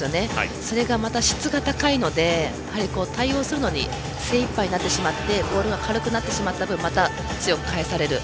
それが、また質が高いので対応するのに精いっぱいになってしまってボールが軽くなってしまった分また、強く返される。